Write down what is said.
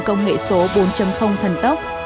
trưởng công nghệ số bốn thần tốc